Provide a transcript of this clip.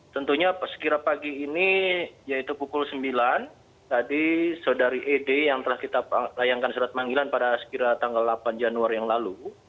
tentunya sekira pagi ini yaitu pukul sembilan tadi saudari ed yang telah kita layankan surat panggilan pada sekira tanggal delapan januari yang lalu